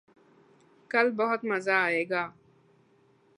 کل بہت مزہ آئے گا